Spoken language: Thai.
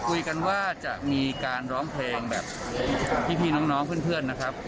คุยกันว่าจะมีการร้องเพลงแบบพี่น้องเพื่อนนะครับ